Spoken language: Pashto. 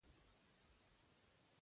له حده لوړ فکرونه مو خوښۍ له منځه وړي.